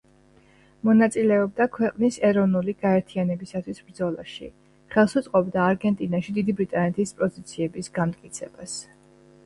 მონაწილეობდა ქვეყნის ეროვნული გაერთიანებისათვის ბრძოლაში, ხელს უწყობდა არგენტინაში დიდი ბრიტანეთის პოზიციების განმტკიცებას.